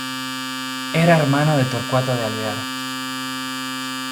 Era hermano de Torcuato de Alvear.